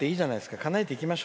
かなえていきましょう。